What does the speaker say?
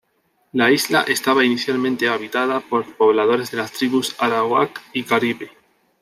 La isla estaba inicialmente habitada por pobladores de las tribus arawak y caribe.